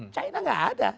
china gak ada